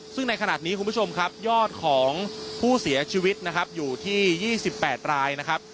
ซึ่งในขณะนี้คุณผู้ชมครับยอดของผู้เสียชีวิตนะครับอยู่ที่๒๘รายนะครับ